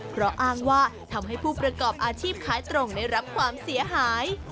เพราะอ้างว่าทำให้ผู้ประกอบอาชีพขายตรงได้รับความเสียหาย